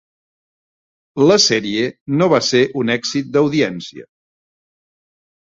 La sèrie no va ser un èxit d'audiència.